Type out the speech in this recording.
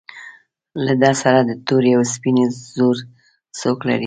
له ده سره د تورې او سپینې زور څوک لري.